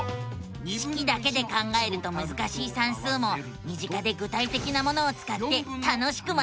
式だけで考えるとむずかしい算数も身近で具体的なものをつかって楽しく学べるのさ！